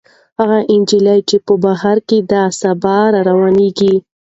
هغه نجلۍ چې په بهر کې ده، سبا راروانېږي.